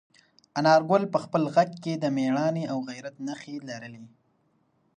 انارګل په خپل غږ کې د میړانې او غیرت نښې لرلې.